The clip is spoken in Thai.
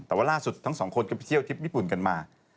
แต่ว่าล่าสุดทั้งสองคนก็ไปเที่ยวทริปญี่ปุ่นกันมา